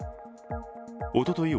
おととい